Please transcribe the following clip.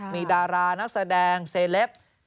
มีดารานักแสดงเซเลป